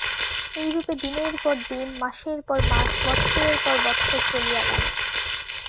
এইরূপে দিনের পর দিন, মাসের পর মাস, বৎসরের পর বৎসর চলিয়া গেল।